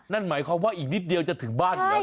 นั่นหมายความว่าอีกนิดเดียวจะถึงบ้านอยู่แล้ว